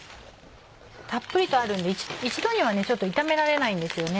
たっぷりとあるんで一度にはちょっと炒められないんですよね。